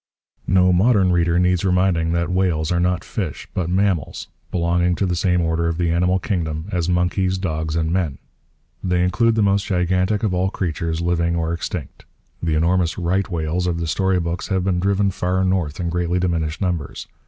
No modern reader needs reminding that whales are not fish but mammals, belonging to the same order of the animal kingdom as monkeys, dogs, and men. They include the most gigantic of all creatures, living or extinct. The enormous 'right' whales of the story books have been driven far north in greatly diminished numbers.